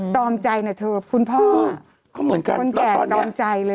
ตอมใจนะเธอคุณพ่อคนแก่ตอมใจเลย